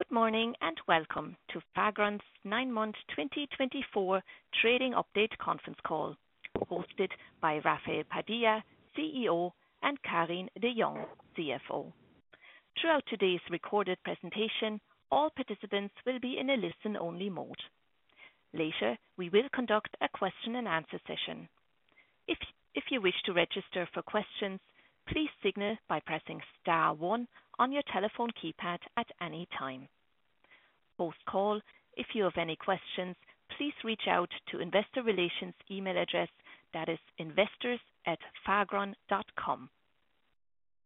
Good morning, and welcome to Fagron's nine-month 2024 Trading Update Conference Call, hosted by Rafael Padilla, CEO, and Karin De Jong, CFO. Throughout today's recorded presentation, all participants will be in a listen-only mode. Later, we will conduct a question-and-answer session. If you wish to register for questions, please signal by pressing star one on your telephone keypad at any time. Post call, if you have any questions, please reach out to investor relations email address, that is investors@fagron.com.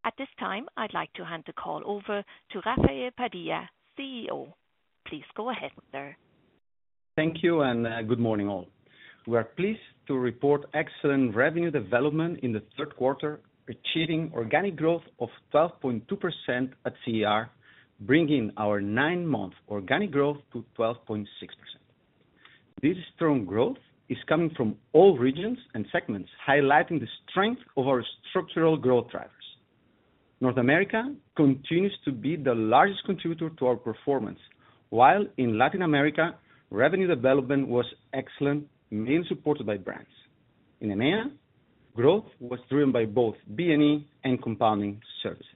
At this time, I'd like to hand the call over to Rafael Padilla, CEO. Please go ahead, sir. Thank you and good morning, all. We are pleased to report excellent revenue development in the third quarter, achieving organic growth of 12.2% at CER, bringing our nine-month organic growth to 12.6%. This strong growth is coming from all regions and segments, highlighting the strength of our structural growth drivers. North America continues to be the largest contributor to our performance, while in Latin America, revenue development was excellent, mainly supported by brands. In EMEA, growth was driven by both B&E and compounding services.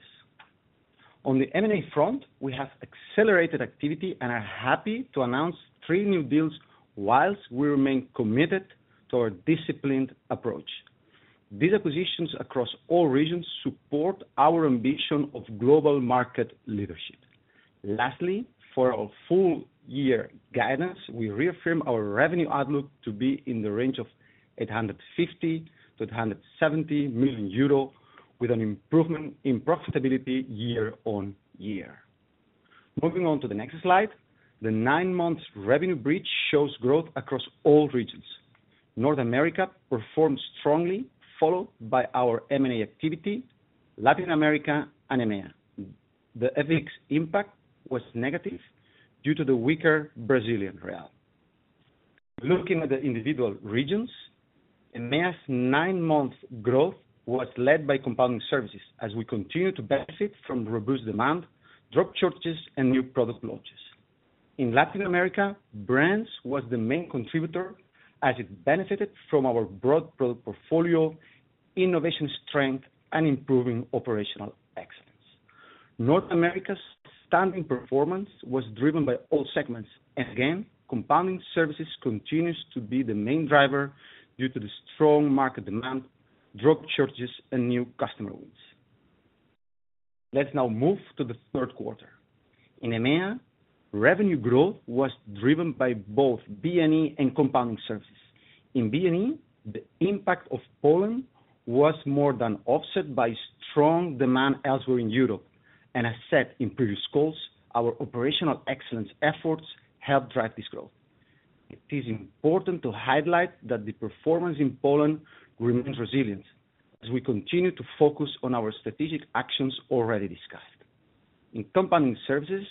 On the M&A front, we have accelerated activity and are happy to announce three new deals, while we remain committed to our disciplined approach. These acquisitions across all regions support our ambition of global market leadership. Lastly, for our full year guidance, we reaffirm our revenue outlook to be in the range of 850 million to 870 million euro, with an improvement in profitability year-on-year. Moving on to the next slide, the nine-month revenue bridge shows growth across all regions. North America performed strongly, followed by our M&A activity, Latin America and EMEA. The FX impact was negative due to the weaker Brazilian real. Looking at the individual regions, EMEA's nine-month growth was led by Compounding Services, as we continue to benefit from robust demand, drug shortages, and new product launches. In Latin America, Brands was the main contributor, as it benefited from our broad product portfolio, innovation strength, and improving operational excellence. North America's strong performance was driven by all segments, and again, compounding services continues to be the main driver due to the strong market demand, drug shortages, and new customer wins. Let's now move to the third quarter. In EMEA, revenue growth was driven by both BNE and compounding services. In BNE, the impact of Poland was more than offset by strong demand elsewhere in Europe, and as said in previous calls, our operational excellence efforts helped drive this growth. It is important to highlight that the performance in Poland remains resilient, as we continue to focus on our strategic actions already discussed. In compounding services,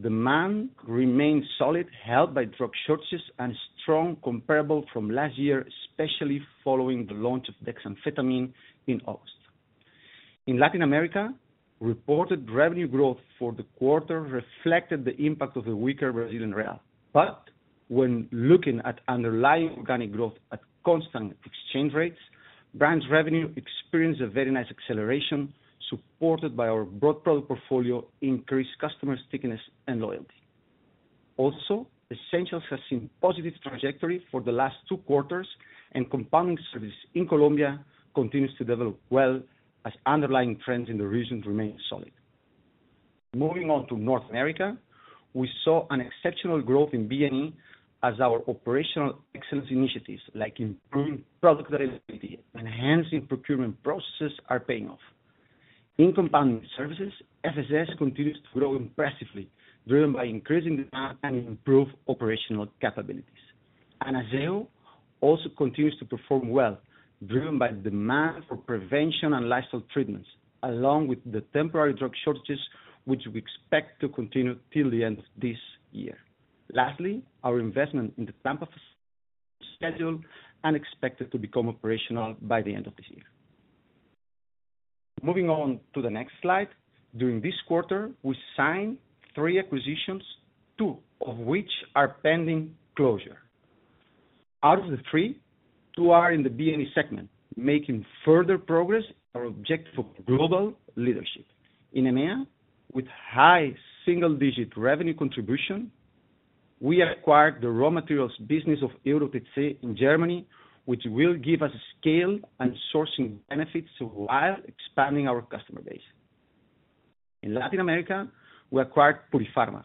demand remained solid, helped by drug shortages and strong comparable from last year, especially following the launch of dexamphetamine in August. In Latin America, reported revenue growth for the quarter reflected the impact of the weaker Brazilian real. But when looking at underlying organic growth at constant exchange rates, Brands revenue experienced a very nice acceleration, supported by our broad product portfolio, increased customer stickiness and loyalty. Also, essentials has seen positive trajectory for the last two quarters, and compounding service in Colombia continues to develop well as underlying trends in the region remain solid. Moving on to North America, we saw an exceptional growth in BNE as our operational excellence initiatives, like improving product availability, enhancing procurement processes, are paying off. In compounding services, FSS continues to grow impressively, driven by increasing demand and improved operational capabilities. Anazao also continues to perform well, driven by demand for prevention and lifestyle treatments, along with the temporary drug shortages, which we expect to continue till the end of this year. Lastly, our investment in the Tampa facility is expected to become operational by the end of this year. Moving on to the next slide, during this quarter, we signed three acquisitions, two of which are pending closure. Out of the three, two are in the BNE segment, making further progress our objective for global leadership. In EMEA, with high single-digit revenue contribution, we acquired Euro OTC Pharma in Germany, which will give us scale and sourcing benefits while expanding our customer base. In Latin America, we acquired Purifarma,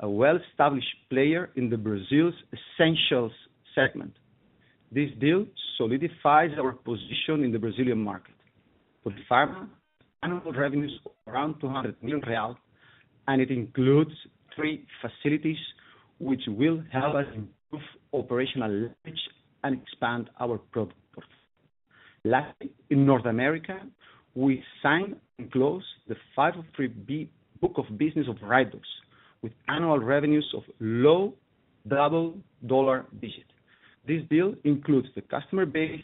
a well-established player in Brazil's essentials segment. This deal solidifies our position in the Brazilian market. Purifarma annual revenues around 200 million real, and it includes three facilities, which will help us improve operational leverage and expand our product portfolio. Lastly, in North America, we signed and closed the 503B book of business of Ritedose, with annual revenues of low double-digit million dollars. This deal includes the customer base-...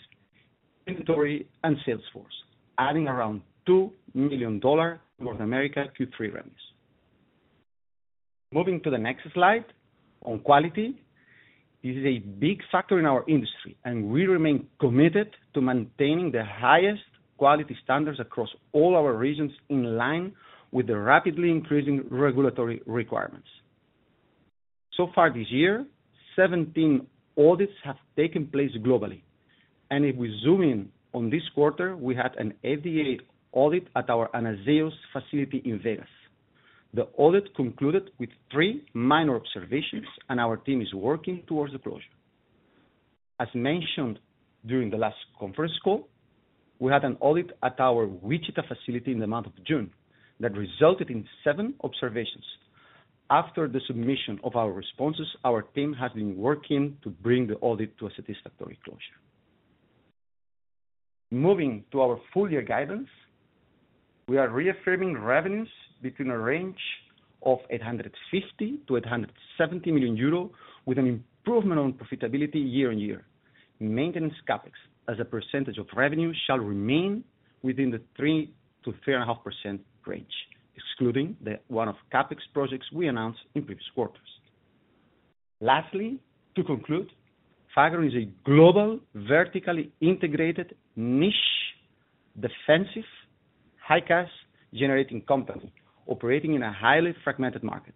inventory and sales force, adding around $2 million North America Q3 revenues. Moving to the next slide, on quality, this is a big factor in our industry, and we remain committed to maintaining the highest quality standards across all our regions, in line with the rapidly increasing regulatory requirements. So far this year, 17 audits have taken place globally, and if we zoom in on this quarter, we had an FDA audit at our Anazao facility in Las Vegas. The audit concluded with 3 minor observations, and our team is working towards the closure. As mentioned during the last conference call, we had an audit at our Wichita facility in the month of June that resulted in 7 observations. After the submission of our responses, our team has been working to bring the audit to a satisfactory closure. Moving to our full year guidance, we are reaffirming revenues between a range of 850 million to 870 million euro, with an improvement on profitability year on year. Maintenance CapEx, as a percentage of revenue, shall remain within the 3%-3.5% range, excluding the one-off CapEx projects we announced in previous quarters. Lastly, to conclude, Fagron is a global, vertically integrated, niche, defensive, high cash generating company, operating in a highly fragmented market.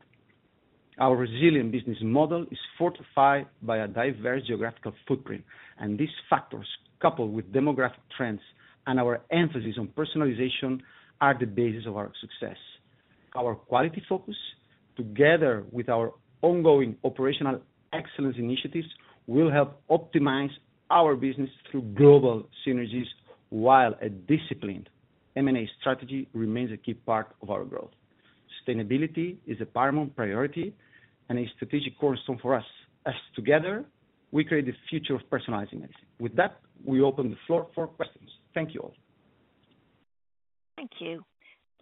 Our resilient business model is fortified by a diverse geographical footprint, and these factors, coupled with demographic trends and our emphasis on personalization, are the basis of our success. Our quality focus, together with our ongoing operational excellence initiatives, will help optimize our business through global synergies, while a disciplined M&A strategy remains a key part of our growth. Sustainability is a paramount priority and a strategic cornerstone for us, as together we create the future of personalized medicine. With that, we open the floor for questions. Thank you all. Thank you.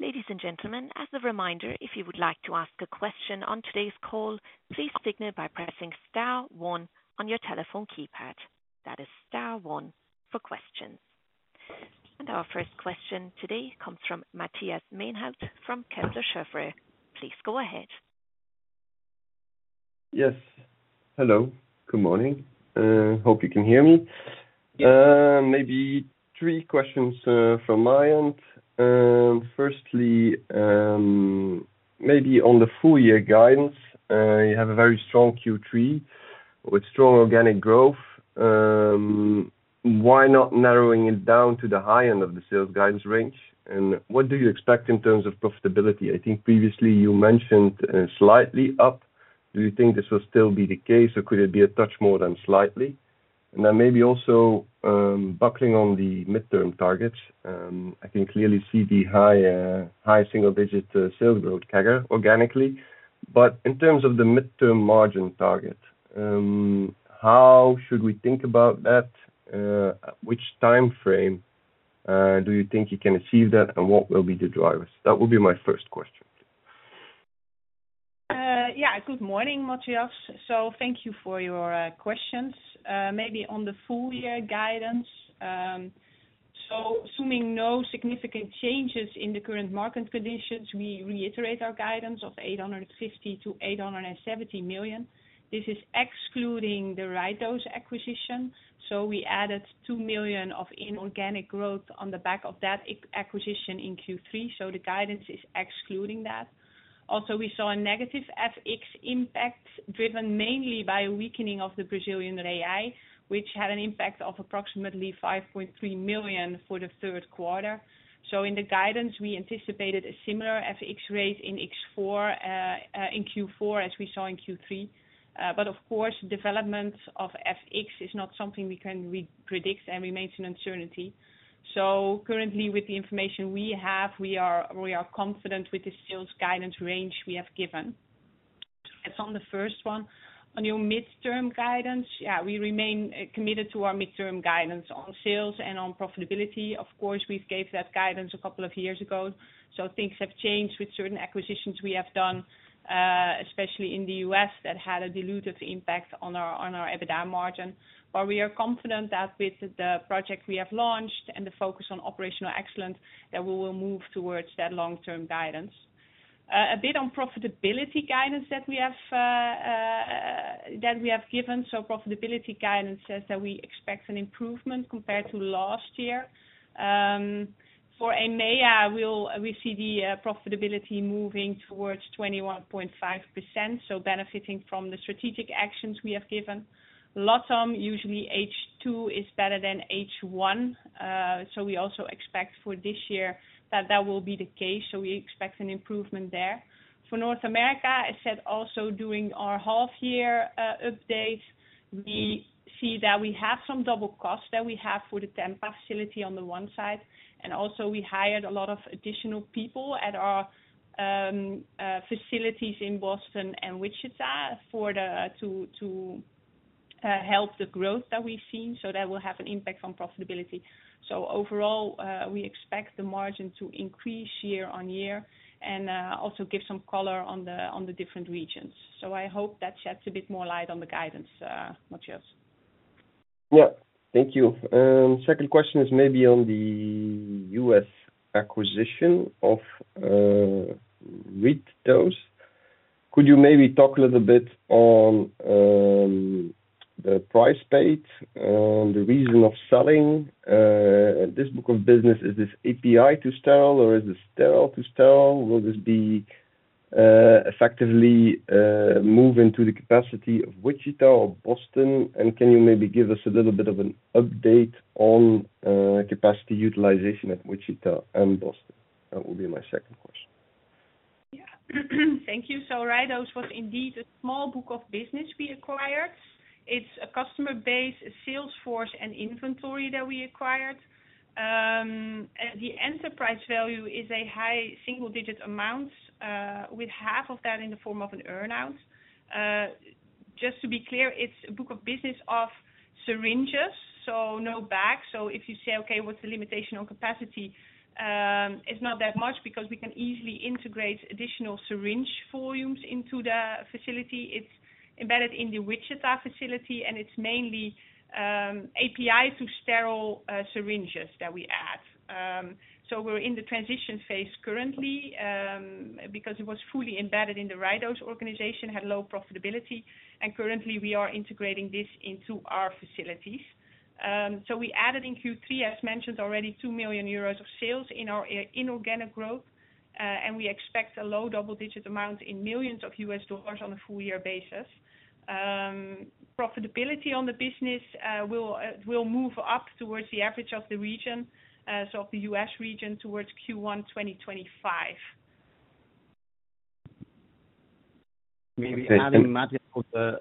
Ladies and gentlemen, as a reminder, if you would like to ask a question on today's call, please signal by pressing star one on your telephone keypad. That is star one for questions, and our first question today comes from Matthias Maenhaut from Kepler Cheuvreux. Please go ahead. Yes. Hello. Good morning. Hope you can hear me. Yes. Maybe three questions from my end. Firstly, maybe on the full year guidance, you have a very strong Q3 with strong organic growth. Why not narrowing it down to the high end of the sales guidance range? And what do you expect in terms of profitability? I think previously you mentioned slightly up. Do you think this will still be the case, or could it be a touch more than slightly? And then maybe also, touching on the midterm targets. I can clearly see the high single digit sales growth CAGR organically. But in terms of the midterm margin target, how should we think about that? Which time frame do you think you can achieve that, and what will be the drivers? That would be my first question. Yeah. Good morning, Matthias. Thank you for your questions. Maybe on the full year guidance, assuming no significant changes in the current market conditions, we reiterate our guidance of 850 million to 870 million. This is excluding the Ritedose acquisition, so we added 2 million of inorganic growth on the back of that acquisition in Q3, so the guidance is excluding that. Also, we saw a negative FX impact, driven mainly by a weakening of the Brazilian real, which had an impact of approximately 5.3 million for the third quarter. So in the guidance, we anticipated a similar FX rate in Q4, as we saw in Q3. But of course, development of FX is not something we can predict, and remains an uncertainty. Currently, with the information we have, we are confident with the sales guidance range we have given. On the first one, on your midterm guidance, yeah, we remain committed to our midterm guidance on sales and on profitability. Of course, we've gave that guidance a couple of years ago, so things have changed with certain acquisitions we have done, especially in the US, that had a dilutive impact on our EBITDA margin. But we are confident that with the projects we have launched and the focus on operational excellence, that we will move towards that long-term guidance. A bit on profitability guidance that we have, that we have given. Profitability guidance says that we expect an improvement compared to last year. For Americas, we'll see the profitability moving towards 21.5%, so benefiting from the strategic actions we have given. LatAm, usually H2 is better than H1, so we also expect for this year that that will be the case, so we expect an improvement there. For North America, I said also, during our half-year update, we see that we have some double cost that we have for the Tampa facility on the one side, and also we hired a lot of additional people at our facilities in Boston and Wichita to help the growth that we've seen. So that will have an impact on profitability. So overall, we expect the margin to increase year on year and also give some color on the different regions. So I hope that sheds a bit more light on the guidance, Matthias. ... Yeah, thank you. Second question is maybe on the U.S. acquisition of Ritedose, could you maybe talk a little bit on, the price paid, on the reason of selling, this book of business? Is this API to sterile or is this sterile to sterile? Will this be, effectively, move into the capacity of Wichita or Boston? And can you maybe give us a little bit of an update on, capacity utilization at Wichita and Boston? That will be my second question. Yeah. Thank you. So Ritedose was indeed a small book of business we acquired. It's a customer base, a sales force, and inventory that we acquired. And the enterprise value is a high single digit amount, with half of that in the form of an earn-out. Just to be clear, it's a book of business of syringes, so no bags. So if you say, "Okay, what's the limitation on capacity?" It's not that much because we can easily integrate additional syringe volumes into the facility. It's embedded in the Wichita facility, and it's mainly API-to-sterile syringes that we add. So we're in the transition phase currently, because it was fully embedded in the Ritedose organization, had low profitability, and currently we are integrating this into our facilities. We added in Q3, as mentioned already, 2 million euros of sales in our inorganic growth. We expect a low double-digit amount in millions of USD on a full-year basis. Profitability on the business will move up towards the average of the region, so of the US region towards Q1 2025. Maybe adding, Matthew,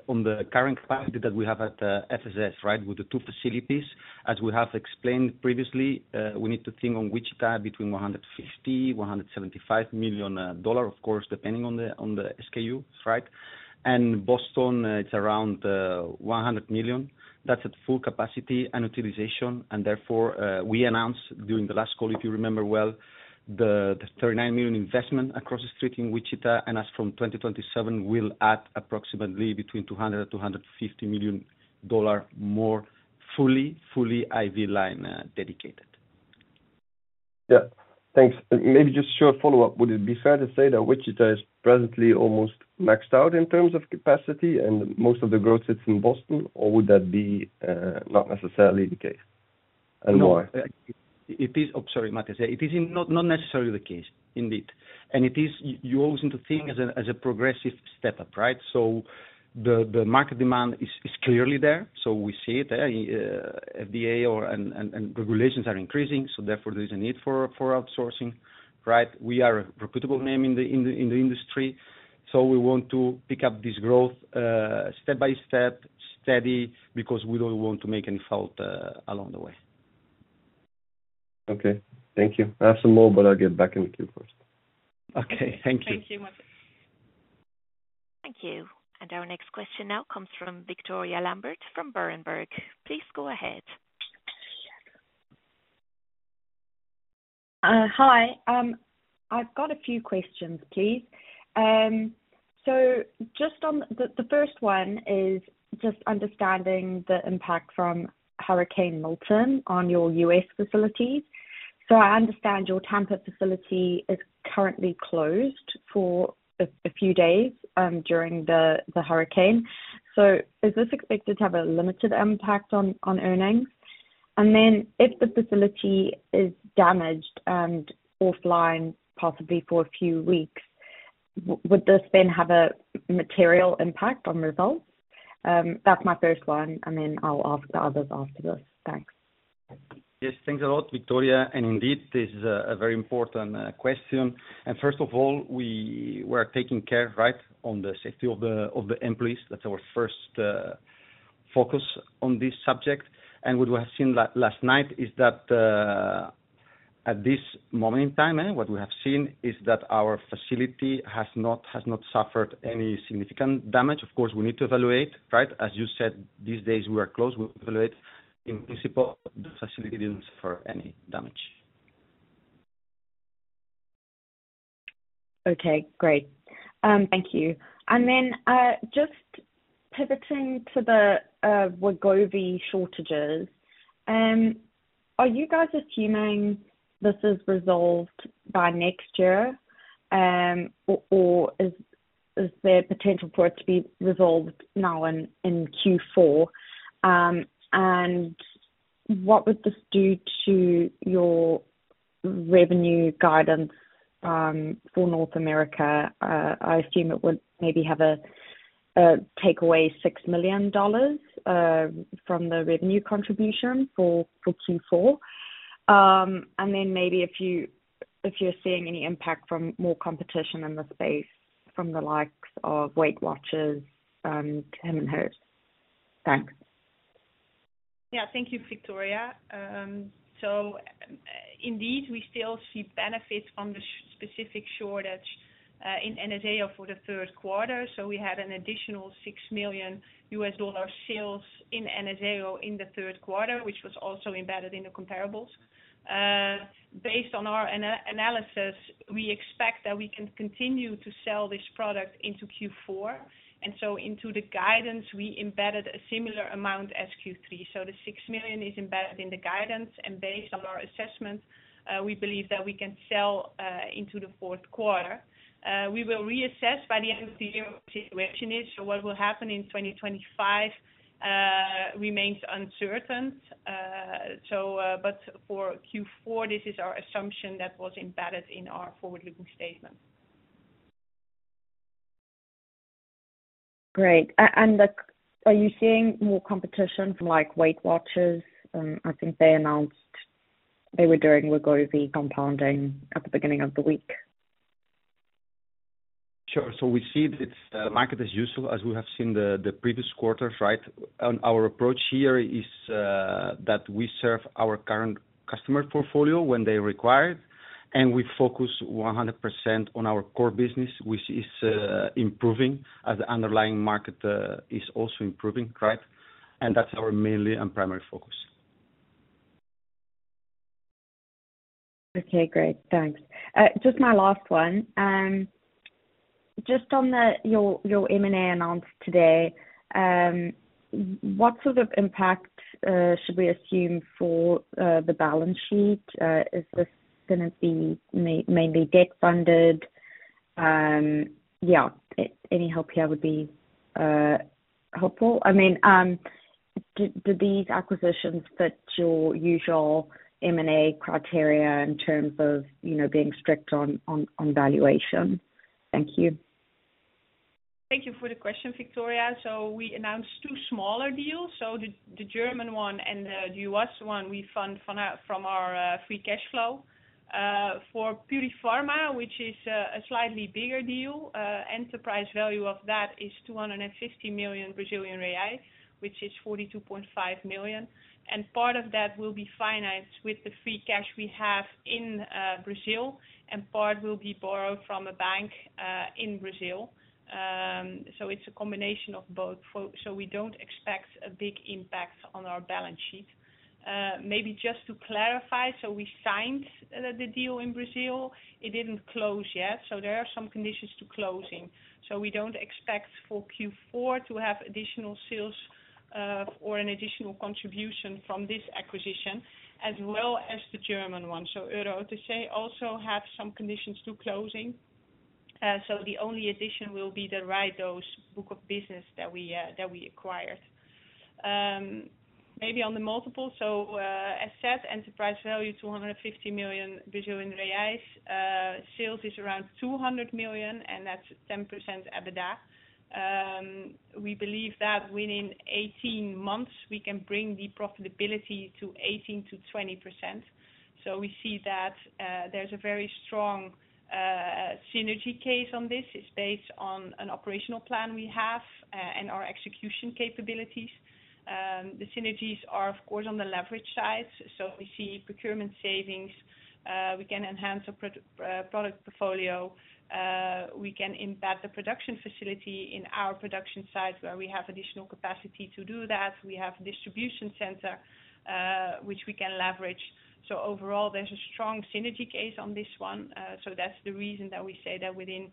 on the current capacity that we have at FSS, right? With the two facilities. As we have explained previously, we need to think on Wichita between $150-$175 million, of course, depending on the SKUs, right? And Boston, it's around $100 million. That's at full capacity and utilization and therefore, we announced during the last call, if you remember well, the $39 million investment across the street in Wichita, and as from 2027 will add approximately between $200-$250 million more fully IV line, dedicated. Yeah. Thanks. Maybe just a short follow-up. Would it be fair to say that Wichita is presently almost maxed out in terms of capacity and most of the growth is in Boston, or would that be not necessarily the case? And why? No, it is. Oh, sorry, Matthew. It is not necessarily the case, indeed. And it is, you always need to think as a progressive step-up, right? So the market demand is clearly there, so we see it. FDA and regulations are increasing, so therefore there is a need for outsourcing, right? We are a reputable name in the industry, so we want to pick up this growth step by step, steady, because we don't want to make any fault along the way. Okay, thank you. I have some more, but I'll get back in the queue first. Okay, thank you. Thank you, Matthias. Thank you. And our next question now comes from Victoria Lambert, from Berenberg. Please go ahead. Hi. I've got a few questions, please. So just on the first one is just understanding the impact from Hurricane Milton on your US facilities. So I understand your Tampa facility is currently closed for a few days during the hurricane. So is this expected to have a limited impact on earnings? And then if the facility is damaged and offline, possibly for a few weeks, would this then have a material impact on results? That's my first one, and then I'll ask the others after this. Thanks. Yes, thanks a lot, Victoria. And indeed, this is a very important question. And first of all, we were taking care, right, on the safety of the employees. That's our first focus on this subject. And what we have seen last night is that, at this moment in time, what we have seen is that our facility has not suffered any significant damage. Of course, we need to evaluate, right? As you said, these days we are closed. We evaluate, in principle, the facility didn't suffer any damage. Okay, great. Thank you. And then, just pivoting to the Wegovy shortages, are you guys assuming this is resolved by next year, or is there potential for it to be resolved now in Q4? And what would this do to your revenue guidance for North America? I assume it would maybe have a take away $6 million from the revenue contribution for Q4. And then maybe if you're seeing any impact from more competition in the space from the likes of Weight Watchers and Hims & Hers. Thanks. Yeah. Thank you, Victoria. So indeed, we still see benefits from the specific shortage in Enbrel for the third quarter. So we had an additional $6 million sales in Enbrel in the third quarter, which was also embedded in the comparables. Based on our analysis, we expect that we can continue to sell this product into Q4, and so into the guidance, we embedded a similar amount as Q3. So the $6 million is embedded in the guidance, and based on our assessment, we believe that we can sell into the fourth quarter. We will reassess by the end of the year what the situation is. So what will happen in twenty twenty-five remains uncertain. So, but for Q4, this is our assumption that was embedded in our forward-looking statement. Great. And are you seeing more competition from, like, Weight Watchers? I think they announced they were doing Wegovy compounding at the beginning of the week. Sure. So we see that it's the market is useful, as we have seen the previous quarters, right? And our approach here is that we serve our current customer portfolio when they require it, and we focus 100% on our core business, which is improving as the underlying market is also improving, right? And that's our mainly and primary focus. Okay, great. Thanks. Just my last one, just on your M&A announcement today, what sort of impact should we assume for the balance sheet? Is this gonna be mainly debt-funded? Yeah, any help here would be helpful. I mean, do these acquisitions fit your usual M&A criteria in terms of, you know, being strict on valuation? Thank you. Thank you for the question, Victoria. We announced two smaller deals. The German one and the US one, we fund from our free cash flow. For Purifarma, which is a slightly bigger deal, enterprise value of that is 250 million Brazilian reais, which is 42.5 million, and part of that will be financed with the free cash we have in Brazil, and part will be borrowed from a bank in Brazil. It's a combination of both. We don't expect a big impact on our balance sheet. Maybe just to clarify, we signed the deal in Brazil. It didn't close yet, so there are some conditions to closing. So we don't expect for Q4 to have additional sales, or an additional contribution from this acquisition, as well as the German one. So Euro OTC also have some conditions to closing. So the only addition will be the Ritedose book of business that we acquired. Maybe on the multiple, as said, enterprise value, 250 million. Sales is around 200 million, and that's 10% EBITDA. We believe that within 18 months, we can bring the profitability to 18%-20%. So we see that, there's a very strong synergy case on this. It's based on an operational plan we have, and our execution capabilities. The synergies are, of course, on the leverage side. So we see procurement savings, we can enhance our product portfolio, we can impact the production facility in our production site, where we have additional capacity to do that. We have distribution center, which we can leverage. So overall, there's a strong synergy case on this one. So that's the reason that we say that within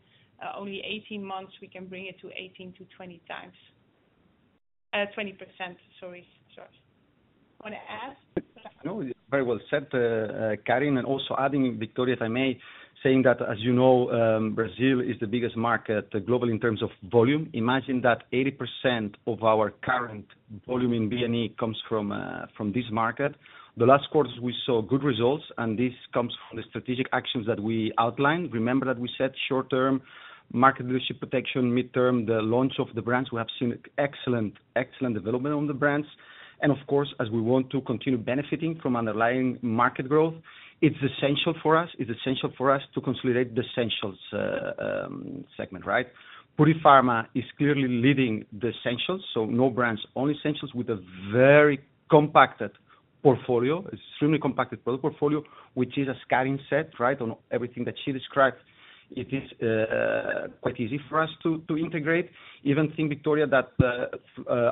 only 18 months, we can bring it to 18-20 times, 20%, sorry. Sorry. Wanna add? No, very well said, Karin, and also adding Victoria, if I may, saying that, as you know, Brazil is the biggest market globally in terms of volume. Imagine that 80% of our current volume in BNE comes from this market. The last quarters, we saw good results, and this comes from the strategic actions that we outlined. Remember that we said short term, market leadership protection, midterm, the launch of the brands. We have seen excellent, excellent development on the brands. And of course, as we want to continue benefiting from underlying market growth, it's essential for us, it's essential for us to consolidate the essentials segment, right? Purifarma is clearly leading the essentials, so no brands, only essentials, with a very compacted portfolio, extremely compacted product portfolio, which is, as Karin said, right, on everything that she described. It is quite easy for us to integrate. Even think, Victoria, that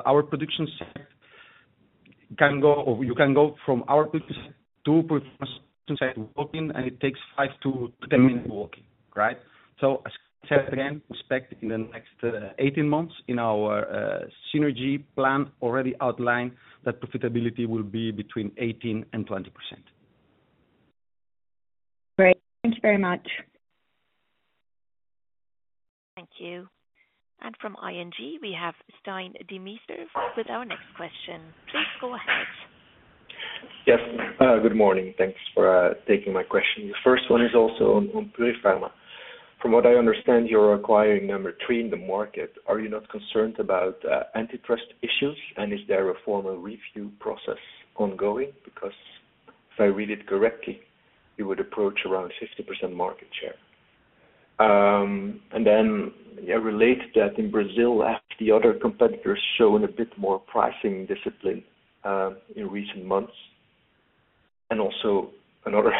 our production site can go, or you can go from our site to production site walking, and it takes five to 10 minutes walking, right? So as said again, we expect in the next 18 months in our synergy plan already outlined, that profitability will be between 18% and 20%. Great. Thank you very much. Thank you. And from ING, we have Stijn Demeester with our next question. Please go ahead. Yes, good morning. Thanks for taking my question. The first one is also on Purifarma. From what I understand, you're acquiring number three in the market. Are you not concerned about antitrust issues, and is there a formal review process ongoing? Because if I read it correctly, you would approach around 60% market share. And then, relate that in Brazil, have the other competitors shown a bit more pricing discipline in recent months? And also, another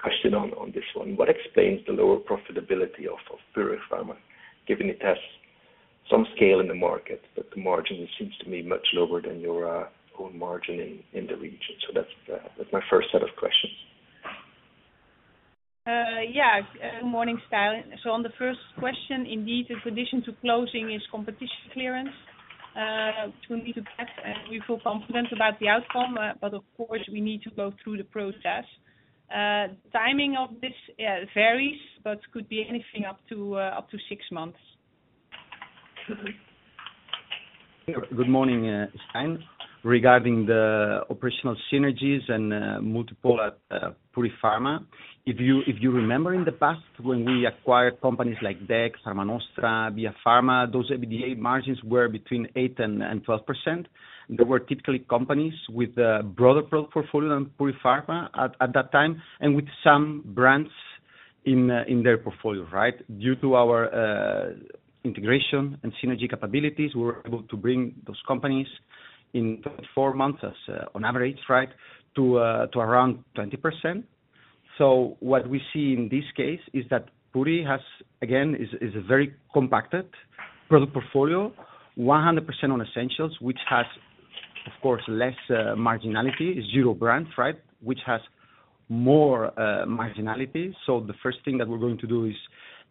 question on this one: What explains the lower profitability of Purifarma, given it has some scale in the market, but the margin seems to be much lower than your own margin in the region? So that's my first set of questions. ...Yeah, good morning, Stijn. So on the first question, indeed, the condition to closing is competition clearance, which we need to get, and we feel confident about the outcome, but of course, we need to go through the process. Timing of this varies, but could be anything up to six months. Good morning, Stijn. Regarding the operational synergies and multiple, Purifarma, if you remember in the past, when we acquired companies like DEG, Pharmanostra, Viafarma, those EBITDA margins were between 8% and 12%. They were typically companies with a broader product portfolio than Purifarma at that time, and with some brands in their portfolio, right? Due to our integration and synergy capabilities, we were able to bring those companies in four months on average, right, to around 20%. So what we see in this case is that Purifarma has, again, is a very compacted product portfolio, 100% on essentials, which has, of course, less marginality, zero brands, right? Which has more marginality. So the first thing that we're going to do is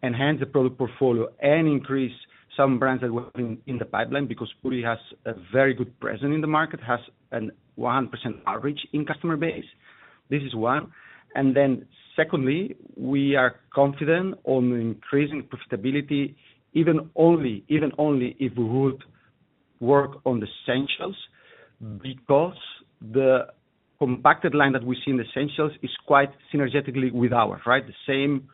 enhance the product portfolio and increase some brands that were in the pipeline, because Purifarma has a very good presence in the market, has a 100% average in customer base. This is one. And then secondly, we are confident on increasing profitability, even only if we would work on the Essentials, because the product line that we see in the Essentials is quite synergistic with ours, right? The same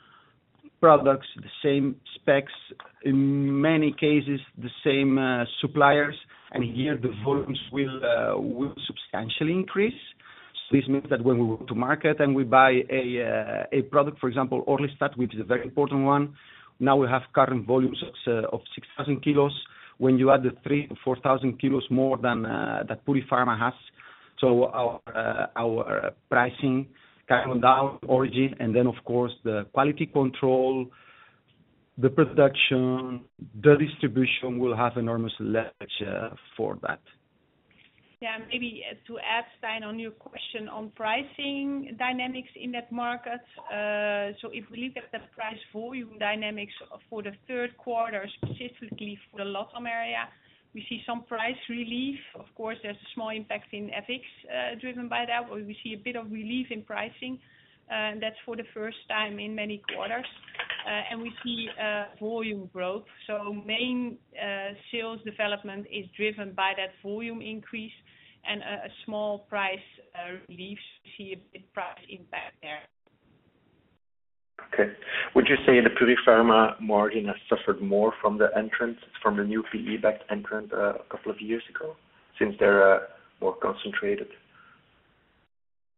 products, the same specs, in many cases, the same suppliers, and here the volumes will substantially increase. So this means that when we go to market and we buy a product, for example, Orlistat, which is a very important one, now we have current volumes of 6,000 kilos. When you add the 3-4 thousand kilos more than that Purifarma has, so our pricing coming down origin, and then, of course, the quality control, the production, the distribution will have enormous leverage for that. Yeah, maybe to add, Stijn, on your question on pricing dynamics in that market. So if we look at the price volume dynamics for the third quarter, specifically for the LATAM area, we see some price relief. Of course, there's a small impact in FX, driven by that, where we see a bit of relief in pricing, and that's for the first time in many quarters, and we see volume growth. So main sales development is driven by that volume increase and a small price relief. We see a price impact there. Okay. Would you say the Purifarma margin has suffered more from the entrant, from the new PE-backed entrant, a couple of years ago, since they're more concentrated?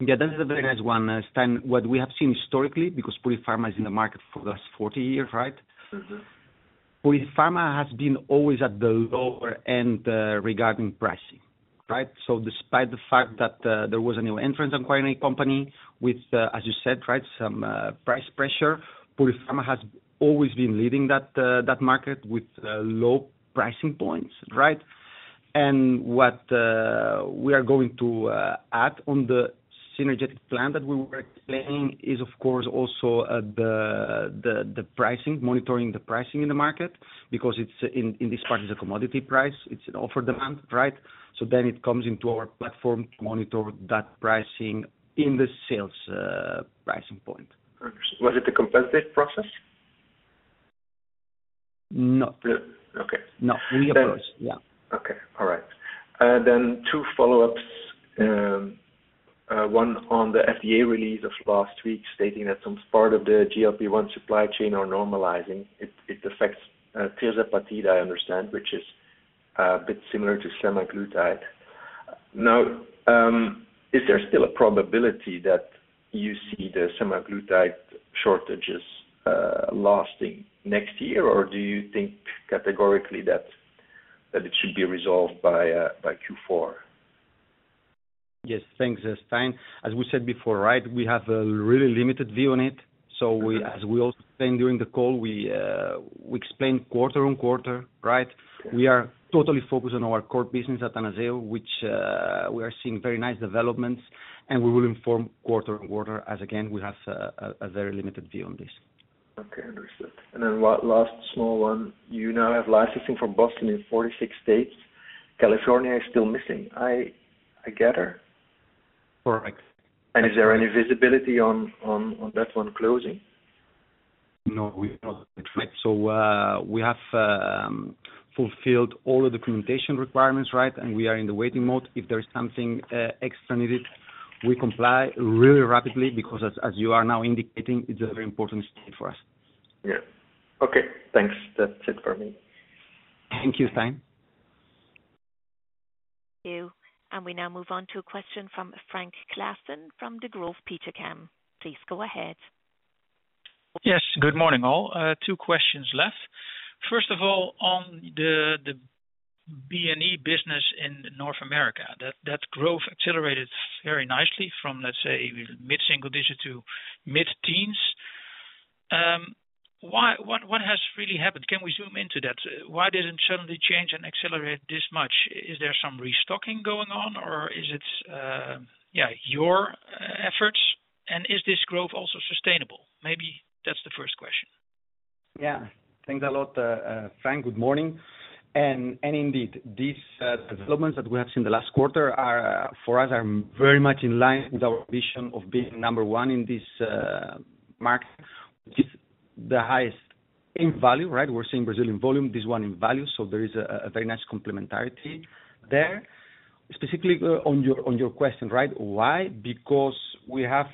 Yeah, that is a very nice one, Stijn. What we have seen historically, because Purifarma is in the market for the last 40 years, right? Purifarma has been always at the lower end, regarding pricing, right? So despite the fact that there was a new entrant acquiring company with, as you said, right, some price pressure, Purifarma has always been leading that market with low pricing points, right? What we are going to add on the synergetic plan that we were explaining is, of course, also the pricing, monitoring the pricing in the market, because it's in this part, it's a commodity price. It's a supply and demand, right? So then it comes into our platform to monitor that pricing in the sales pricing point. Was it a competitive process? No. Okay. No. We approach. Yeah. Okay, all right. Then two follow-ups. One on the FDA release of last week, stating that some part of the GLP-1 supply chain are normalizing. It affects Tirzepatide, I understand, which is a bit similar to Semaglutide. Now, is there still a probability that you see the Semaglutide shortages lasting next year? Or do you think categorically that it should be resolved by Q4? Yes. Thanks, Stijn. As we said before, right, we have a really limited view on it. So we, as we also said during the call, we explain quarter on quarter, right? We are totally focused on our core business at Anazao, which we are seeing very nice developments, and we will inform quarter on quarter, as again, we have a very limited view on this. Okay, understood. And then last small one, you now have licensing from Boston in 46 states. California is still missing, I gather? Correct. And is there any visibility on that one closing? No, we not, right. So we have fulfilled all the documentation requirements, right? And we are in the waiting mode. If there is something extra needed, we comply really rapidly, because as you are now indicating, it's a very important state for us. Yeah. Okay, thanks. That's it for me. Thank you, Stijn. Thank you, and we now move on to a question from Frank Claassen, from Degroof Petercam. Please go ahead. Yes, good morning, all. Two questions left. First of all, on the BNE business in North America, that growth accelerated very nicely from, let's say, mid-single digit to mid-teens. Why, what has really happened? Can we zoom into that? Why did it suddenly change and accelerate this much? Is there some restocking going on, or is it, yeah, your efforts? And is this growth also sustainable? Maybe that's the first question. Yeah. Thanks a lot, Frank. Good morning. And indeed, these developments that we have seen in the last quarter are, for us, very much in line with our vision of being number one in this market, which is the highest in value, right? We're seeing Brazilian volume, this one in value, so there is a very nice complementarity there. Specifically, on your question, right, why? Because we have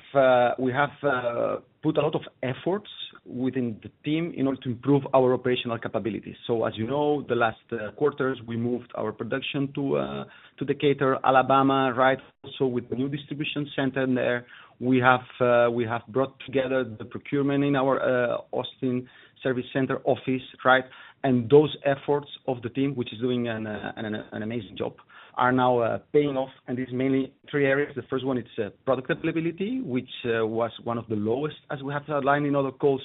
put a lot of efforts within the team in order to improve our operational capabilities. So as you know, the last quarters, we moved our production to Decatur, Alabama, right? So with the new distribution center in there, we have brought together the procurement in our Austin service center office, right? And those efforts of the team, which is doing an amazing job, are now paying off, and it's mainly three areas. The first one, it's product availability, which was one of the lowest as we have outlined in other calls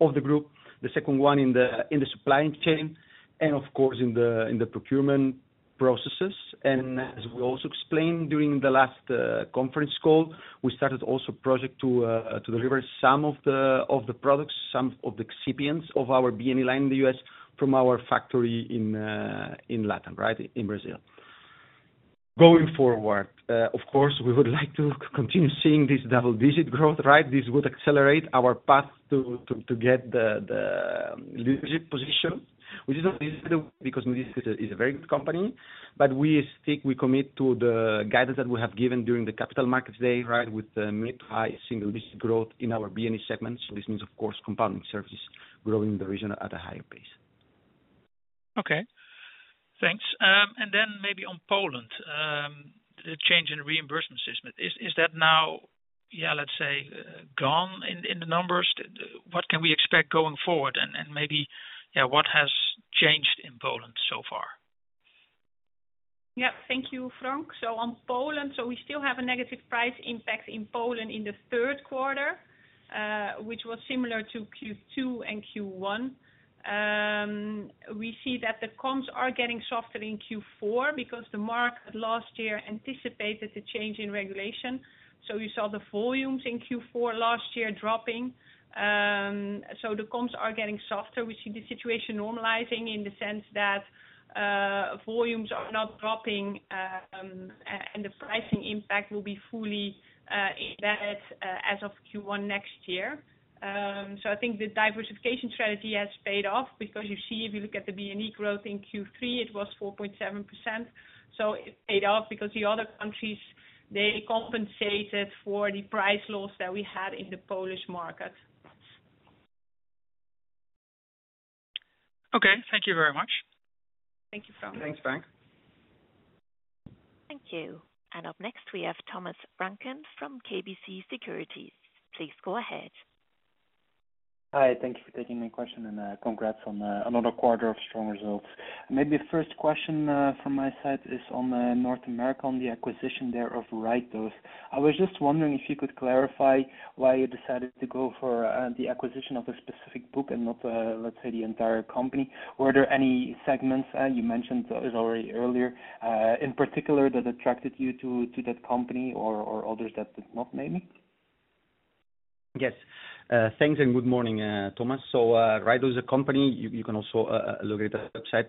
of the group. The second one in the supplying chain, and of course, in the procurement processes. And as we also explained during the last conference call, we started also project to deliver some of the products, some of the recipients of our BNE line in the U.S. from our factory in Latin America, right, in Brazil. Going forward, of course, we would like to continue seeing this double-digit growth, right? This would accelerate our path to get the leadership position, which is not easy because this is a very good company, but we stick, we commit to the guidance that we have given during the capital markets day, right? With the mid- to high-single-digit growth in our BNE segments. So this means of course, compounding services, growing the region at a higher pace. Okay. Thanks. And then maybe on Poland, the change in reimbursement system, is that now, yeah, let's say, gone in the numbers? What can we expect going forward? And maybe, yeah, what has changed in Poland so far? Yeah. Thank you, Frank. So on Poland, so we still have a negative price impact in Poland in the third quarter, which was similar to Q2 and Q1. We see that the comps are getting softer in Q4 because the market last year anticipated the change in regulation. So you saw the volumes in Q4 last year dropping. So the comps are getting softer. We see the situation normalizing in the sense that volumes are not dropping, and the pricing impact will be fully embedded as of Q1 next year. So I think the diversification strategy has paid off because you see, if you look at the BNE growth in Q3, it was 4.7%. So it paid off because the other countries, they compensated for the price loss that we had in the Polish market. Okay, thank you very much. Thank you, Frank. Thanks, Frank. Thank you. And up next, we have Thomas Vranken from KBC Securities. Please go ahead. Hi, thank you for taking my question, and, congrats on, another quarter of strong results. Maybe first question, from my side is on, North America, on the acquisition there of Ritedose. I was just wondering if you could clarify why you decided to go for, the acquisition of a specific book and not, let's say, the entire company. Were there any segments, you mentioned this already earlier, in particular that attracted you to, that company or, others that did not maybe? Yes. Thanks and good morning, Thomas. So, Ritedose is a company, you can also look at the website,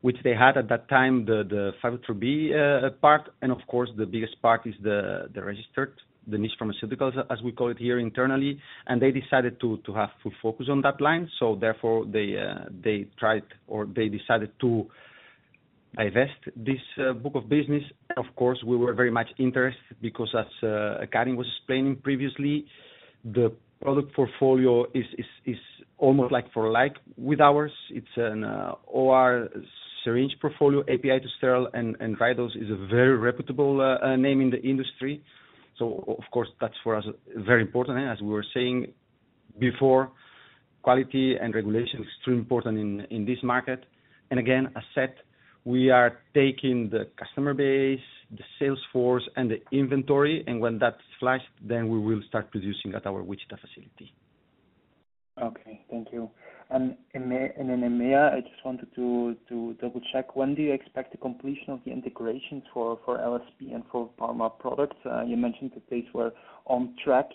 which they had at that time, the 503B part. And of course, the biggest part is the registered niche pharmaceuticals, as we call it here internally. And they decided to have full focus on that line, so therefore, they tried or they decided to divest this book of business. Of course, we were very much interested because as Karin was explaining previously, the product portfolio is almost like for like with ours, it's an OR syringe portfolio, API-to-sterile, and Ritedose is a very reputable name in the industry. So of course, that's for us, very important. As we were saying before, quality and regulation is extremely important in this market. And again, as set, we are taking the customer base, the sales force and the inventory, and when that's slashed, then we will start producing at our Wichita facility. Okay. Thank you. In NA, in EMEA, I just wanted to double-check when do you expect the completion of the integrations for LSP and for pharma products? You mentioned the dates were on track.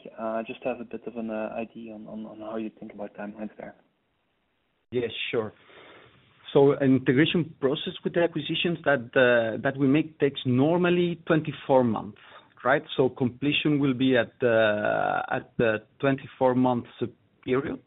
Just to have a bit of an idea on how you think about timelines there. Yes, sure. So integration process with the acquisitions that we make takes normally 24 months, right? So completion will be at the 24 months period.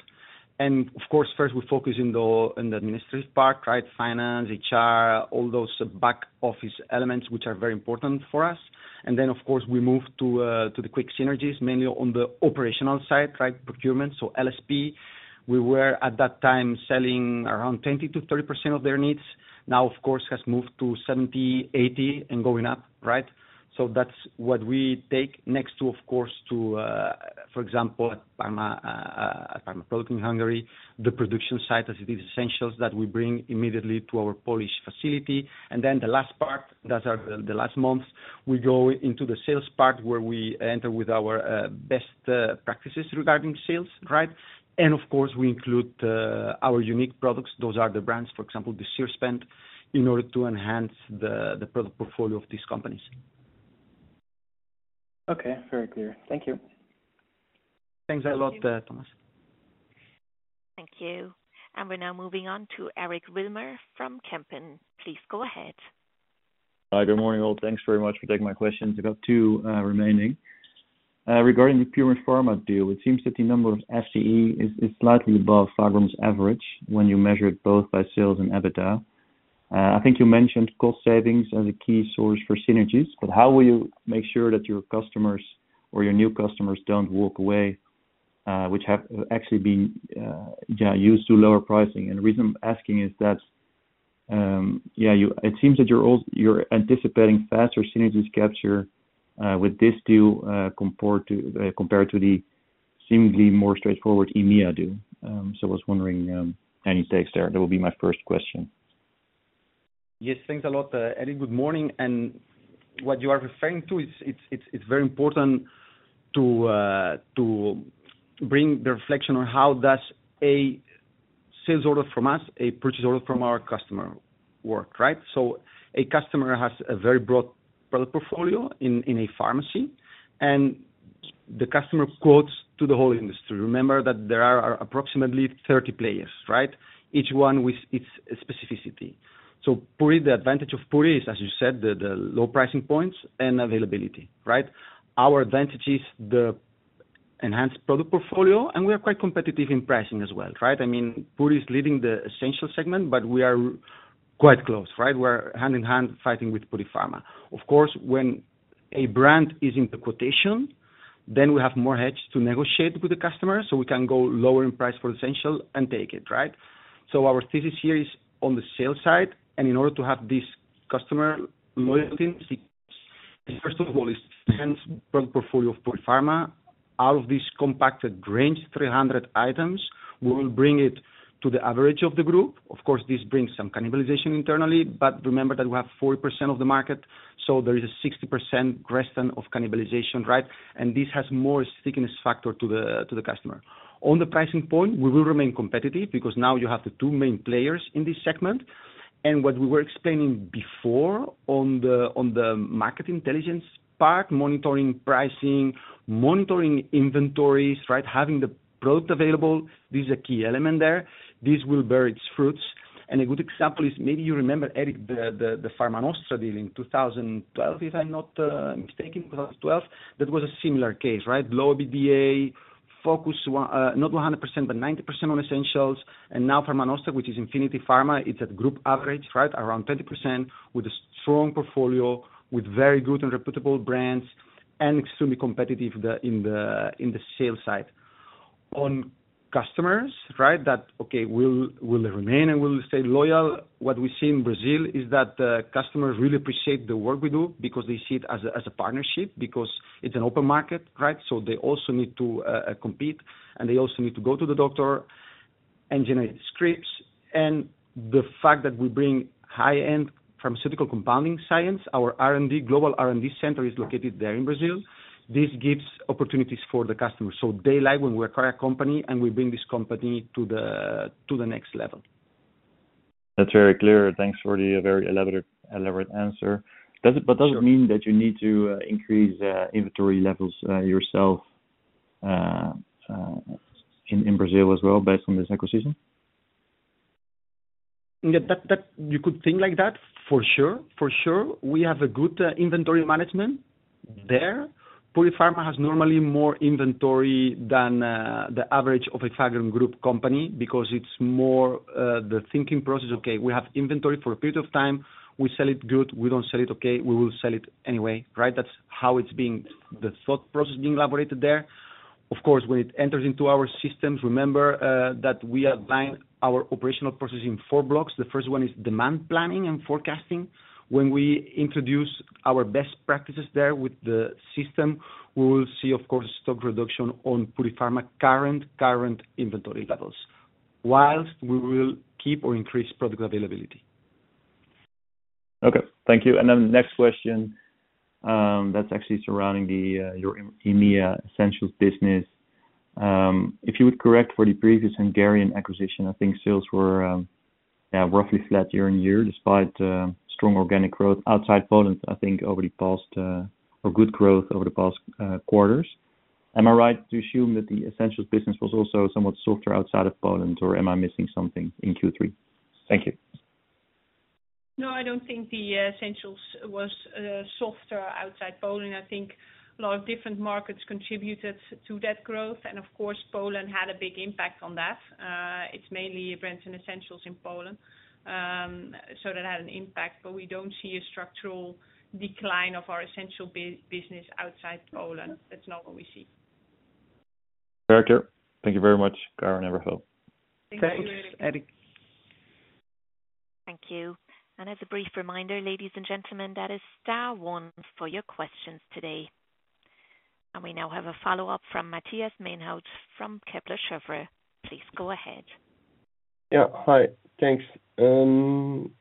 And of course, first we focus in the administrative part, right? Finance, HR, all those back office elements, which are very important for us. And then, of course, we move to the quick synergies, mainly on the operational side, right? Procurement, so LSP, we were at that time selling around 20%-30% of their needs. Now, of course, has moved to 70%, 80%, and going up, right? So that's what we take next to, of course, for example, pharma product in Hungary, the production site, as it is Essentials that we bring immediately to our Polish facility. And then the last part. Those are the last months. We go into the sales part, where we enter with our best practices regarding sales, right? And of course, we include our unique products. Those are the brands, for example, the SyrSpend, in order to enhance the product portfolio of these companies. Okay. Very clear. Thank you. Thanks a lot, Thomas. Thank you. And we're now moving on to Eric Wilmer from Kempen. Please go ahead. Hi, good morning, all. Thanks very much for taking my questions. I've got two remaining. Regarding the Purifarma deal, it seems that the number of FGE is slightly above Fagron's average when you measure it both by sales and EBITDA. I think you mentioned cost savings as a key source for synergies, but how will you make sure that your customers or your new customers don't walk away, which have actually been used to lower pricing? And the reason I'm asking is that you it seems that you're anticipating faster synergies capture with this deal compared to the seemingly more straightforward EMEA deal. So I was wondering any takes there? That will be my first question. Yes, thanks a lot, Eric. Good morning, and what you are referring to, it's very important to bring the reflection on how does a sales order from us, a purchase order from our customer work, right? So a customer has a very broad product portfolio in a pharmacy, and the customer quotes to the whole industry. Remember that there are approximately 30 players, right? Each one with its specificity. So Purifarma, the advantage of Purifarma, is, as you said, the low price points and availability, right? Our advantage is the enhanced product portfolio, and we are quite competitive in pricing as well, right? I mean, Purifarma is leading the essential segment, but we are quite close, right? We're hand-in-hand fighting with Purifarma. Of course, when a brand is in the quotation, then we have more hedge to negotiate with the customer, so we can go lower in price for Essentials and take it, right? So our thesis here is on the sales side, and in order to have this customer loyalty, first of all, is enhanced product portfolio of Purifarma. Out of this compacted range, 300 items, we will bring it to the average of the group. Of course, this brings some cannibalization internally, but remember that we have 40% of the market, so there is a 60% rest of cannibalization, right? And this has more stickiness factor to the customer. On the pricing point, we will remain competitive because now you have the two main players in this segment. What we were explaining before on the market intelligence part, monitoring pricing, monitoring inventories, right? Having the product available, this is a key element there. This will bear its fruits. A good example is, maybe you remember, Eric, the Pharmanostra deal in 2012, if I'm not mistaken. That was a similar case, right? Low EBITDA, focus on, not 100%, but 90% on essentials. And now Pharmanostra, which is Infinity Pharma, it's at group average, right, around 20%, with a strong portfolio, with very good and reputable brands, and extremely competitive in the sales side. On customers, right, that will remain and will stay loyal. What we see in Brazil is that customers really appreciate the work we do because they see it as a partnership, because it's an open market, right? So they also need to compete, and they also need to go to the doctor and generate scripts. The fact that we bring high-end pharmaceutical compounding science, our R&D, global R&D center is located there in Brazil. This gives opportunities for the customers. So they like when we acquire a company, and we bring this company to the next level. That's very clear. Thanks for the very elaborate answer. But does it mean that you need to increase inventory levels yourself in Brazil as well, based on this acquisition? Yeah, that. You could think like that, for sure, for sure. We have a good inventory management there. Purifarma has normally more inventory than the average of a Fagron Group company because it's more the thinking process. Okay, we have inventory for a period of time. We sell it good. We don't sell it okay. We will sell it anyway, right? That's how it's being, the thought process being elaborated there. Of course, when it enters into our systems, remember that we align our operational process in four blocks. The first one is demand planning and forecasting. When we introduce our best practices there with the system, we will see, of course, stock reduction on Purifarma current inventory levels, whilst we will keep or increase product availability. Okay, thank you. And then the next question, that's actually surrounding the, your EMEA Essentials business. If you would correct for the previous Hungarian acquisition, I think sales were, yeah, roughly flat year-on-year, despite, strong organic growth outside Poland, I think, over the past, or good growth over the past, quarters. Am I right to assume that the Essentials business was also somewhat softer outside of Poland, or am I missing something in Q3? Thank you. No, I don't think the Essentials was softer outside Poland. I think a lot of different markets contributed to that growth, and of course, Poland had a big impact on that. It's mainly Brands and Essentials in Poland. So that had an impact, but we don't see a structural decline of our Essentials business outside Poland. That's not what we see. Very clear. Thank you very much. Eric Wilmer. Thank you, Eric. Thank you. And as a brief reminder, ladies and gentlemen, that is star one for your questions today. And we now have a follow-up from Matthias Maenhaut from Kepler Cheuvreux. Please go ahead. Yeah. Hi, thanks.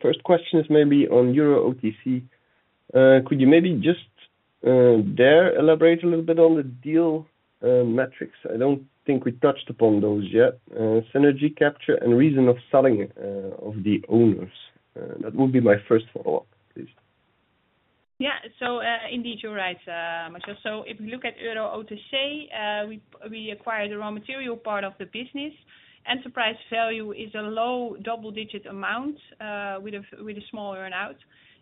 First question is maybe on Euro OTC. Could you maybe just there elaborate a little bit on the deal metrics? I don't think we touched upon those yet. Synergy capture and reason of selling of the owners. That would be my first follow-up, please. Yeah. Indeed, you're right, Matthias, so if you look at Euro OTC, we acquired the raw material part of the business. Enterprise value is a low double-digit amount, with a small earn-out,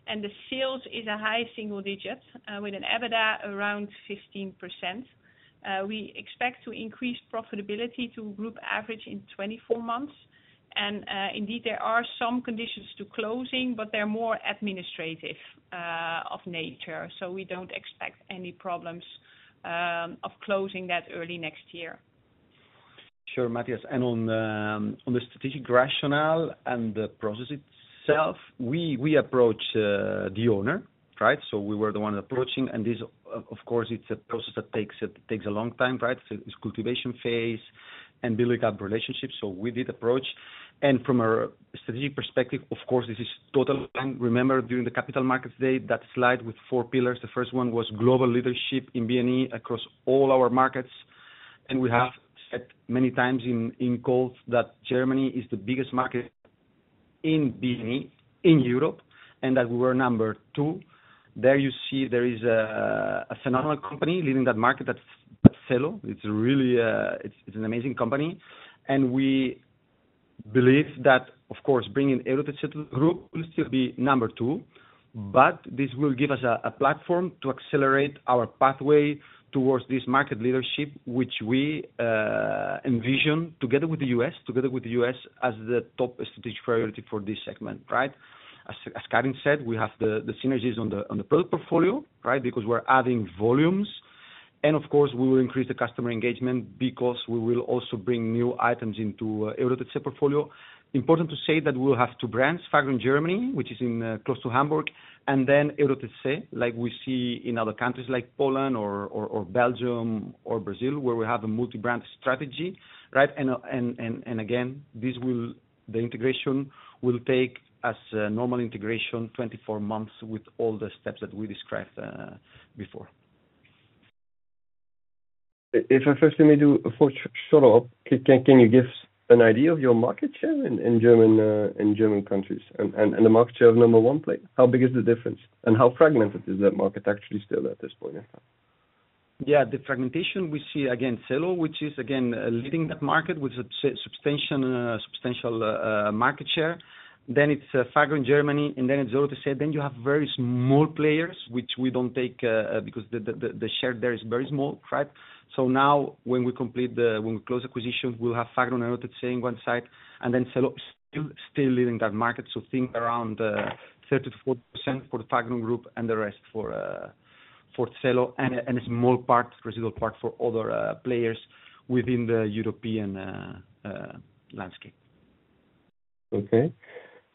and the sales is a high single digits, with an EBITDA around 15%. We expect to increase profitability to group average in 24 months, and indeed, there are some conditions to closing, but they're more administrative of nature, so we don't expect any problems of closing that early next year. Sure, Matthias, and on the strategic rationale and the process itself, we approach the owner, right? So we were the one approaching, and this of course, it's a process that takes a long time, right? So it's cultivation phase and building up relationships, so we did approach. And from a strategic perspective, of course, this is total, and remember, during the capital markets day, that slide with four pillars, the first one was global leadership in BNE across all our markets. And we have said many times in calls that Germany is the biggest market in BNE, in Europe, and that we were number two. There you see there is a phenomenal company leading that market, that's Caelo. It's really, it's an amazing company, and we believe that, of course, bringing in Euro OTC group will still be number two, but this will give us a platform to accelerate our pathway towards this market leadership, which we envision together with the US, as the top strategic priority for this segment, right? As Karin said, we have the synergies on the product portfolio, right? Because we're adding volumes, and of course, we will increase the customer engagement because we will also bring new items into Euro OTC portfolio. Important to say that we'll have two brands, Fagron Germany, which is close to Hamburg, and then Euro OTC, like we see in other countries like Poland or Belgium or Brazil, where we have a multi-brand strategy, right? Again, the integration will take, as a normal integration, twenty-four months with all the steps that we described before. If I first may do a full follow-up, can you give an idea of your market share in German countries and the market share of number one player? How big is the difference, and how fragmented is that market actually still at this point in time? Yeah, the fragmentation we see, again, Caelo, which is again leading that market with substantial market share. Then it's Fagron Germany, and then it's Euro OTC group. Then you have very small players, which we don't take because the share there is very small, right? So now, when we close acquisition, we'll have Fagron and Euro OTC group in one side, and then Caelo still leading that market. So think around 30%-40% for the Fagron group and the rest for Caelo, and a small part, residual part for other players within the European landscape. Okay.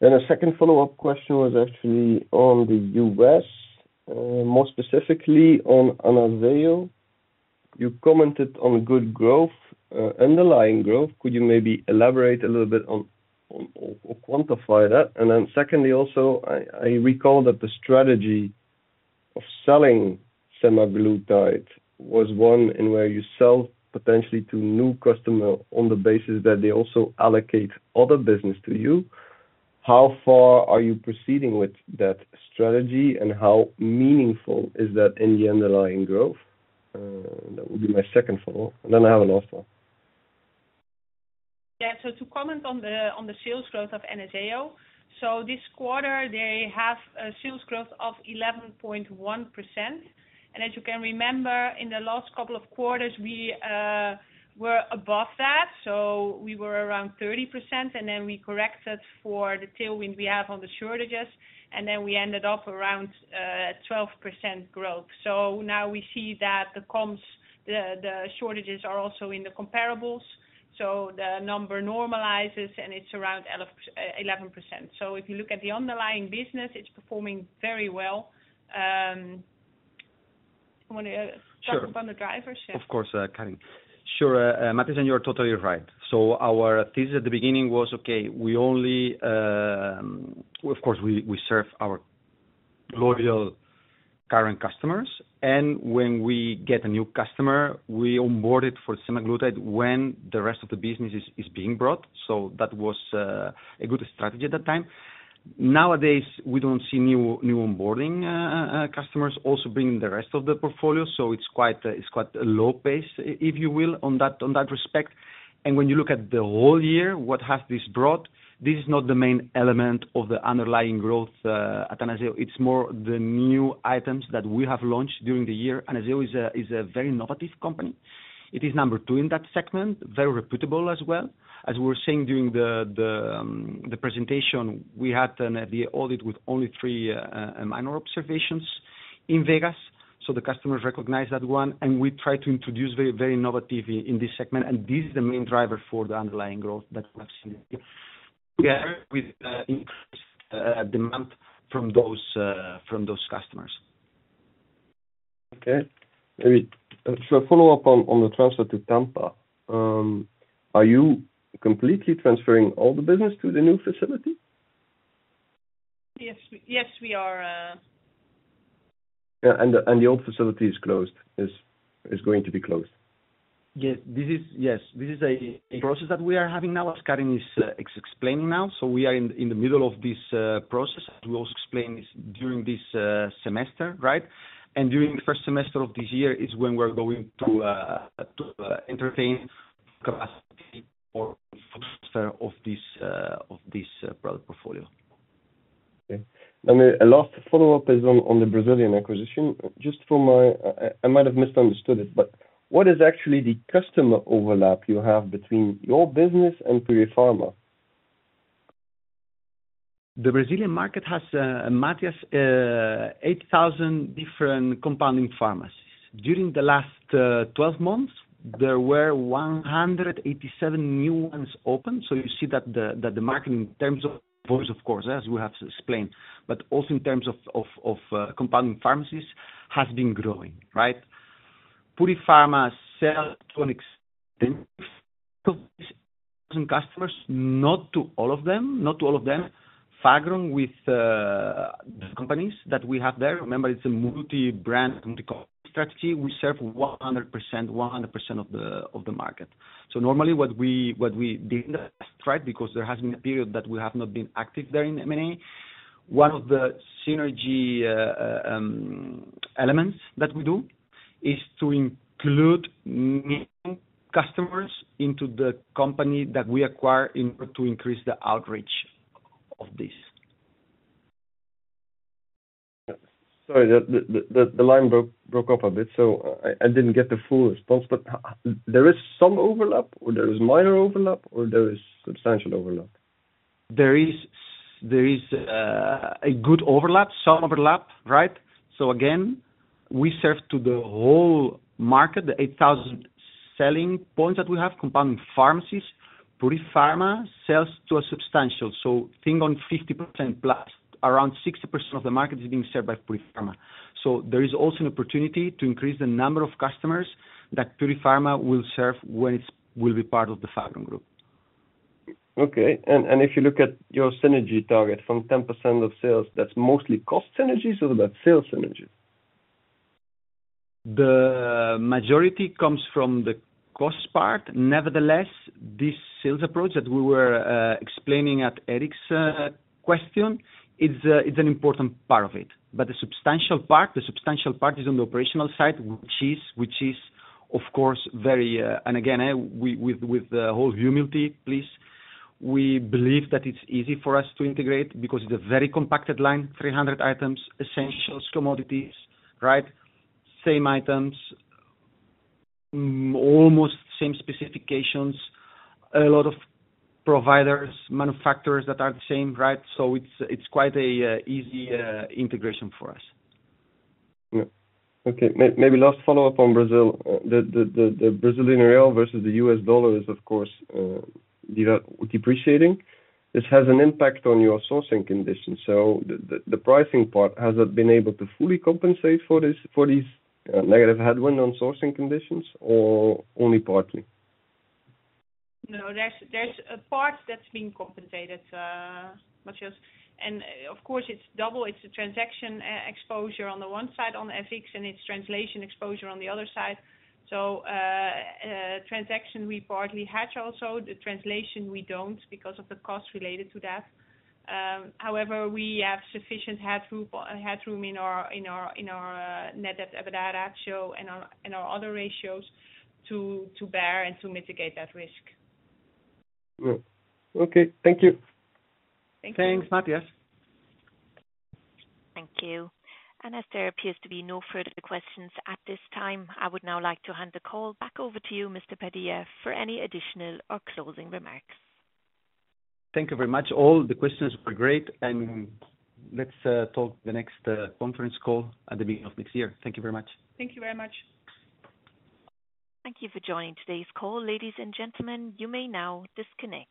Then a second follow-up question was actually on the U.S., more specifically on Anazao. You commented on good growth, underlying growth. Could you maybe elaborate a little bit on, or quantify that? And then secondly, also, I recall that the strategy of selling semaglutide was one in where you sell potentially to new customer on the basis that they also allocate other business to you. How far are you proceeding with that strategy, and how meaningful is that in the underlying growth? That would be my second follow-up, and then I have a last one. Yeah. So to comment on the sales growth of AnazaoHealth, so this quarter, they have a sales growth of 11.1%. And as you can remember, in the last couple of quarters, we were above that. So we were around 30%, and then we corrected for the tailwind we have on the shortages, and then we ended up around 12% growth. So now we see that the comps, the shortages are also in the comparables, so the number normalizes, and it's around eleven percent. So if you look at the underlying business, it's performing very well. Want to- Sure. Talk about the drivers? Yeah. Of course, Karin. Sure, Matthias, and you're totally right. So our thesis at the beginning was, okay, we only, of course, we serve our loyal current customers, and when we get a new customer, we onboard it for Semaglutide when the rest of the business is being brought. So that was a good strategy at that time. Nowadays, we don't see new onboarding customers also bringing the rest of the portfolio, so it's quite a low pace, if you will, on that respect. And when you look at the whole year, what has this brought? This is not the main element of the underlying growth at Anazao. It's more the new items that we have launched during the year. Anazao is a very innovative company. It is number two in that segment, very reputable as well. As we were saying during the presentation, we had an audit with only three minor observations in Vegas, so the customers recognize that one, and we try to introduce very, very innovative in this segment, and this is the main driver for the underlying growth that we have seen, together with increased demand from those customers. Okay. Maybe, so a follow-up on the transfer to Tampa. Are you completely transferring all the business to the new facility? Yes, we are. Yeah, and the old facility is closed, is going to be closed? Yes, this is... Yes, this is a process that we are having now, as Karin is explaining now. So we are in the middle of this process. We will explain this during this semester, right? And during the first semester of this year is when we're going to uncertain capacity of this product portfolio. Okay. And a last follow-up is on the Brazilian acquisition. Just from my, I might have misunderstood it, but what is actually the customer overlap you have between your business and Purifarma? The Brazilian market has, Matthias, eight thousand different compounding pharmacies. During the last twelve months, there were one hundred and eighty-seven new ones opened. So you see that the market in terms of volumes, of course, as we have explained, but also in terms of compounding pharmacies has been growing, right? Purifarma sell to an extent, customers, not to all of them, not to all of them. Fagron with the companies that we have there, remember, it's a multi-brand, multi strategy. We serve 100%, 100% of the market. So normally what we did, right, because there has been a period that we have not been active there in many. One of the synergy elements that we do is to include new customers into the company that we acquire in order to increase the outreach of this. Sorry, the line broke up a bit, so I didn't get the full response. But there is some overlap, or there is minor overlap, or there is substantial overlap? There is there is a good overlap. Some overlap, right? So again, we serve to the whole market, the eight thousand selling points that we have, compounding pharmacies. Purifarma sells to a substantial, so I think on +50%, around 60% of the market is being served by Purifarma. So there is also an opportunity to increase the number of customers that Purifarma will serve when it will be part of the Fagron group. Okay. And if you look at your synergy target from 10% of sales, that's mostly cost synergies or is that sales synergy? The majority comes from the cost part. Nevertheless, this sales approach that we were explaining at Eric's question, it's an important part of it. But the substantial part, the substantial part is on the operational side, which is, of course, very... And again, we, with the whole humility, please, we believe that it's easy for us to integrate because it's a very compacted line, 300 items, essentials, commodities, right? Same items, almost same specifications, a lot of providers, manufacturers that are the same, right? So it's quite an easy integration for us. Yeah. Okay, maybe last follow-up on Brazil. The Brazilian real versus the US dollar is, of course, depreciating. This has an impact on your sourcing conditions, so the pricing part, has it been able to fully compensate for this negative headwind on sourcing conditions, or only partly? No, there's a part that's being compensated, Matthias. And, of course, it's double, it's the transaction exposure on the one side on FX, and it's translation exposure on the other side. So, transaction, we partly hedge also. The translation we don't, because of the costs related to that. However, we have sufficient headroom in our net debt/EBITDA ratio and our other ratios to bear and to mitigate that risk. Okay. Thank you. Thank you. Thanks, Matthias. Thank you. And as there appears to be no further questions at this time, I would now like to hand the call back over to you, Mr. Padilla, for any additional or closing remarks. Thank you very much. All the questions were great, and let's talk the next conference call at the beginning of next year. Thank you very much. Thank you very much. Thank you for joining today's call, ladies and gentlemen, you may now disconnect.